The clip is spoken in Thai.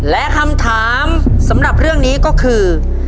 และคำถามสำหรับเรื่องนี้ก็คือ